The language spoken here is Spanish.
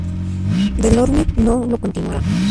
Delorme no lo continuará.